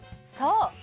そう！